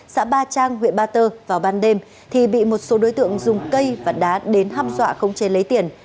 xã ba trang huyện ba tơ vào ban đêm thì bị một số đối tượng dùng cây và đá đến hâm dọa khống chế lấy tiền